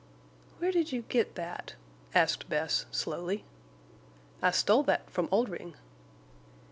"Where did you get that?" asked Bess, slowly. "I stole that from Oldring."